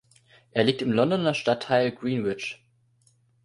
Er liegt im Londoner Stadtteil Greenwich.